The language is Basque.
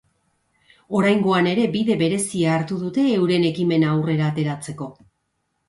Oraingoan ere bide berezia hartu dute euren ekimena aurrera ateratzeko.